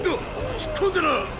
引っ込んでな！